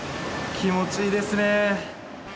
気持ちいいですね。